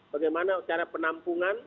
bagaimana cara penampungan